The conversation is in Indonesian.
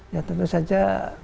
ya tentu saja